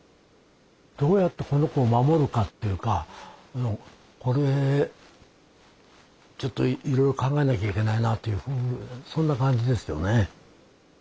どうやってこの子を守るかっていうかこれちょっといろいろ考えなきゃいけないなというそんな感じですよね。